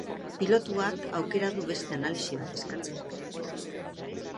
Pilotuak aukera du beste analisi bat eskatzeko.